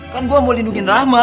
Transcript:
kan gue mau lindungi rahma